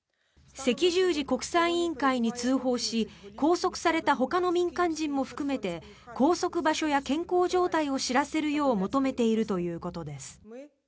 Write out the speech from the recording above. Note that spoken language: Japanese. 赤十字国際員会に通報し拘束されたほかの民間人も含めて拘束場所や健康状態の通知をするよう求めているということです。